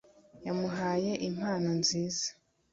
yamuhaye impano nziza